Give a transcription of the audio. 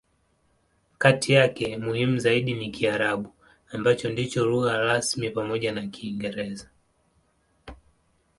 Kati yake, muhimu zaidi ni Kiarabu, ambacho ndicho lugha rasmi pamoja na Kiingereza.